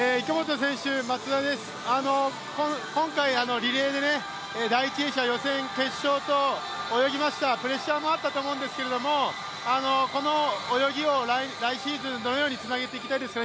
今回、リレーで第１泳者、予選決勝と泳ぎましたプレッシャーもあったと思うんですけど、この泳ぎを来シーズン、どのようにつなげていきたいですか？